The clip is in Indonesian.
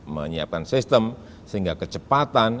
menyiapkan sistem sehingga kecepatan